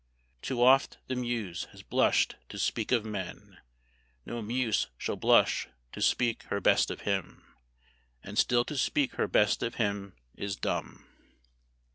"Too oft the muse has blush'd to speak of men No muse shall blush to speak her best of him, And still to speak her best of him is dumb.